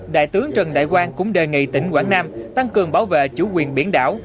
đại tướng trần đại quang cũng đề nghị tỉnh quảng nam tăng cường bảo vệ chủ quyền biển đảo